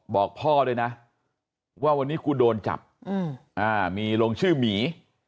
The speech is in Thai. บอกพ่อด้วยนะว่าวันนี้กูโดนจับมีลงชื่อหมี